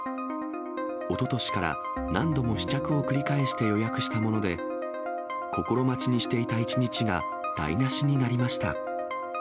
おととしから何度も試着を繰り返して予約したもので、心待ちにしていた一日が台なしになりました。